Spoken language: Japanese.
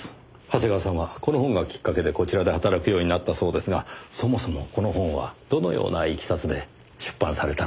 長谷川さんはこの本がきっかけでこちらで働くようになったそうですがそもそもこの本はどのような経緯で出版されたのでしょう？